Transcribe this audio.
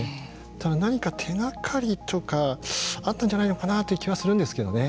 ただ、何か手がかりとかあったんじゃないのかなという気はするんですけどね。